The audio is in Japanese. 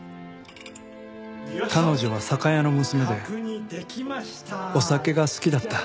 彼女は酒屋の娘でお酒が好きだった。